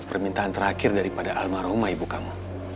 permintaan terakhir daripada almarhumah ibu kamu